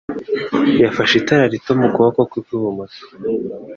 yafashe itara rito mu kuboko kwe kw'ibumoso.